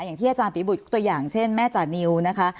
อย่างที่อาจารย์ปีบุตรยกตัวอย่างเช่นแม่จานิวนะคะ